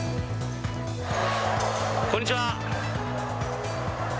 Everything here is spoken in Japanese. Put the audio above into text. こんにちは。